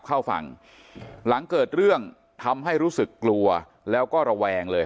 เข้าฝั่งหลังเกิดเรื่องทำให้รู้สึกกลัวแล้วก็ระแวงเลย